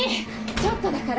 ちょっとだから！